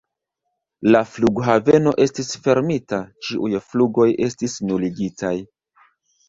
La flughaveno estis fermita, ĉiuj flugoj estis nuligitaj.